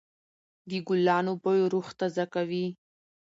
د ګلانو بوی روح تازه کوي.